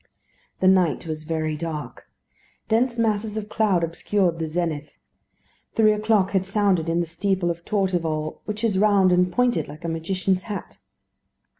The night was very dark. Dense masses of cloud obscured the zenith. Three o'clock had sounded in the steeple of Torteval which is round and pointed like a magician's hat.